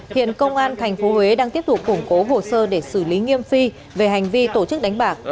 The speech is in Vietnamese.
hiện công an tp huế đang tiếp tục củng cố hồ sơ để xử lý nghiêm phi về hành vi tổ chức đánh bạc